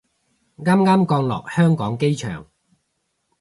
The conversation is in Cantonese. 啱啱降落香港機場